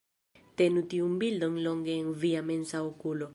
Tenu tiun bildon longe en via mensa okulo